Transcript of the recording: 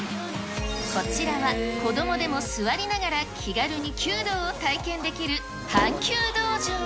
こちらは、子どもでも座りながら気軽に弓道を体験できる半弓道場。